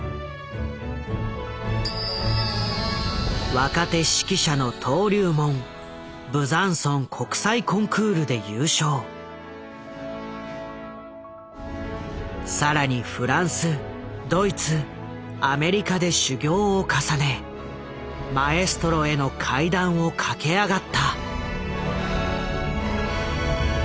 若手指揮者の登竜門更にフランスドイツアメリカで修業を重ねマエストロへの階段を駆け上がった。